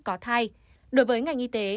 có thai đối với ngành y tế